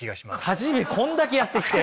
初めこんだけやってきて？